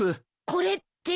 これって？